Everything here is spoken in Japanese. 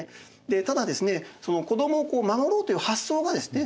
でただですね子どもを守ろうという発想がですね